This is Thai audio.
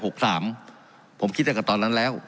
ผมคิดถ้าเกียรติ์ตอนนั้นแล้ว